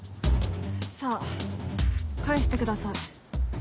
さぁ返してください。